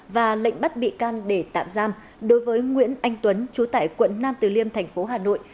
và lệnh bắt bị can để tạm giam đối với nguyễn anh tuấn chú tại quận nam từ liêm thành phố hà nội